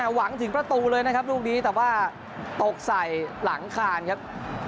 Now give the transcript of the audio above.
หวังถึงประตูเลยนะครับลูกนี้แต่ว่าตกใส่หลังคานครับ